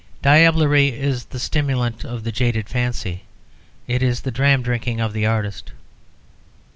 Diablerie is the stimulant of the jaded fancy; it is the dram drinking of the artist.